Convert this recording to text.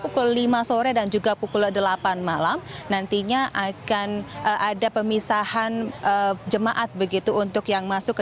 pukul lima sore dan juga pukul delapan malam nantinya akan ada pemisahan jemaat begitu untuk yang masuk ke